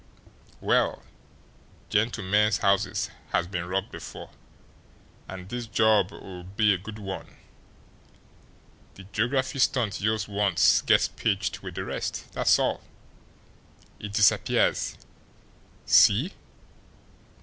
Well, gentlemen's houses has been robbed before an' dis job'll be a good one. De geographfy stunt youse wants gets pinched wid de rest, dat's all. It disappears see?